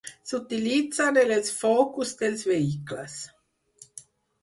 S’utilitzen en els focus dels vehicles.